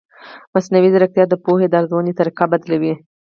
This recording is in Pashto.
مصنوعي ځیرکتیا د پوهې د ارزونې طریقه بدلوي.